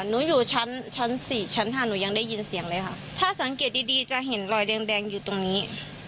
หนูอยู่ชั้น๔ชั้น๕หนูยังได้ยินเสียงเลยถ้าสังเกตดีจะเห็นรอยแดงอยู่ตรงนี้